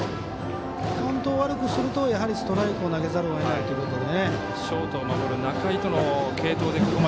カウントを悪くするとストライクを投げざるをえないので。